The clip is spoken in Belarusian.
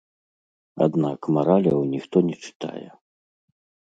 Аднак мараляў ніхто не чытае.